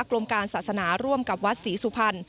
กรมการศาสนาร่วมกับวัศทธิ์ศุภัณฑ์